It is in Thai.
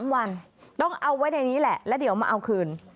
๓วันต้องเอาไว้ในนี้แหละแล้วเดี๋ยวมาเอาคืน